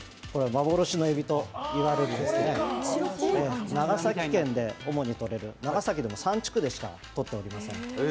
幻のエビといわれるんですけど、長崎で主にとれる、長崎でも３地区でしかとっておりません。